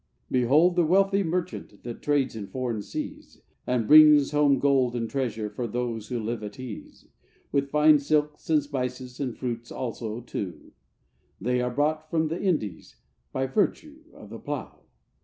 Behold the wealthy merchant, that trades in foreign seas, And brings home gold and treasure for those who live at ease; With fine silks and spices, and fruits also, too, They are brought from the Indies by virtue of the plough.